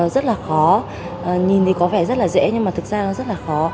rất là khó nhìn thì có vẻ rất là dễ nhưng mà thực ra nó rất là khó